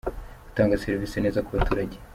gutanga serivisi neza ku baturage.